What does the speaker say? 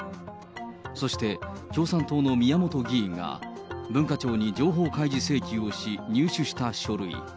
そして共産党の宮本議員が文化庁に情報開示請求をし、入手した書類。